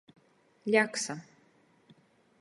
Ļaksa.